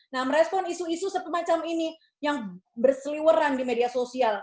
nah merespon isu isu semacam ini yang berseliweran di media sosial